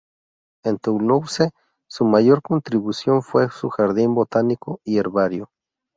En Toulouse, su mayor contribución fue su Jardín botánico y herbario.